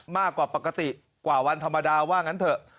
มากกว่าปกติกว่าวันธรรมดาว่างั้นเถอะ